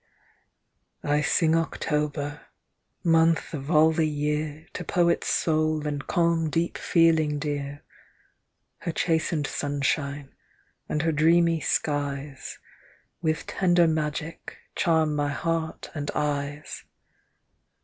1 sing October, month of all the year. To poet's soul and calm deep feeling dear; Her chastened sunshine, and her dreamy skies With tender magic charm my heart and eyes.